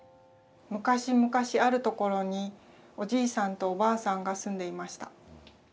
昔々あるところにおじいさんとおばあさんが住んでいました。